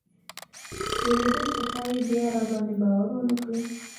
ویرېدم چې ښایي بیا راباندې باور ونه کړي.